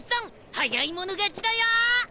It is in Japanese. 早い者勝ちだよ！